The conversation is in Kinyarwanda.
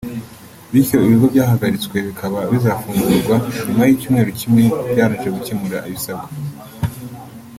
bityo ibigo byahagaritswe bikaba bizafungurwa nyuma y’icyumweru kimwe byarangije gukemura ibisabwa